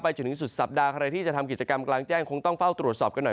จนถึงสุดสัปดาห์ใครที่จะทำกิจกรรมกลางแจ้งคงต้องเฝ้าตรวจสอบกันหน่อย